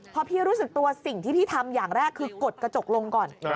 พอพี่รู้สึกตัวสิ่งที่พี่ทำอย่างแรกคือกดกระจกลงก่อน